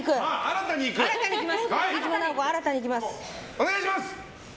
お願いします！